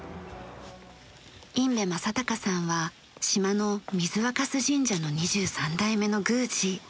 忌部正孝さんは島の水若酢神社の２３代目の宮司。